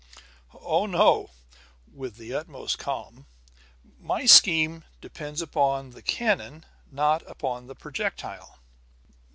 "Oh, no," with the utmost calm. "My scheme depends upon the cannon, not upon the projectile."